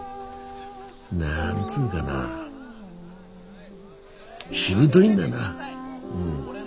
何つうがなしぶといんだな。